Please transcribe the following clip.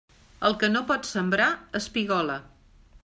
El que no pot sembrar, espigola.